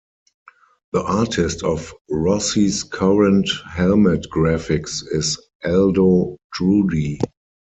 The artist of Rossi's current helmet graphics is Aldo Drudi.